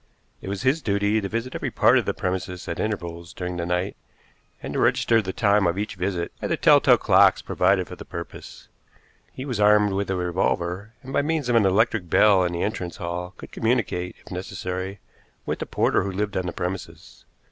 It was his duty to visit every part of the premises at intervals during the night, and to register the time of each visit by the telltale clocks provided for the purpose. He was armed with a revolver, and by means of an electric bell in the entrance hall could communicate, if necessary, with the porter who lived on the premises.